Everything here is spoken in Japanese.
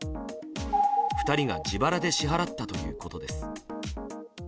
２人が自腹で支払ったということです。